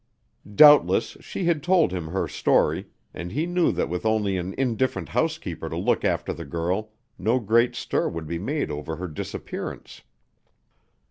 Doubtless she had told him her story, and he knew that with only an indifferent housekeeper to look after the girl no great stir would be made over her disappearance.